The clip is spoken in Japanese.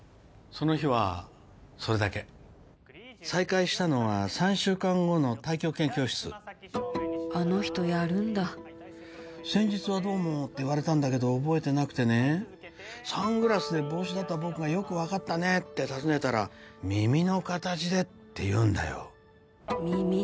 その日はそれだけ再会したのは３週間後の太極拳教室あの人やるんだ先日はどうもって言われたんだけど覚えてなくてねサングラスで帽子だった僕がよく分かったねって尋ねたら耳の形でって言うんだよ耳？